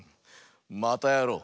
またやろう！